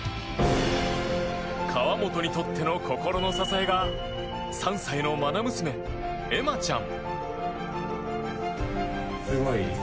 川本にとっての心の支えが３歳のまな娘・恵万ちゃん。